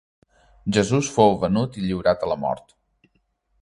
Jesús fou venut i lliurat a la mort.